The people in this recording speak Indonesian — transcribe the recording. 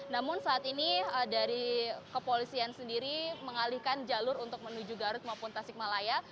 namun saat ini dari kepolisian sendiri mengalihkan jalur untuk menuju garut maupun tasikmalaya